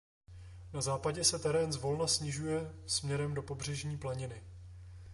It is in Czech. Na západě se terén zvolna snižuje směrem do pobřežní planiny.